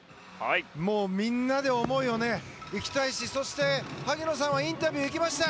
みんなで思いを行きたいしそして、萩野さんはインタビューに行きました。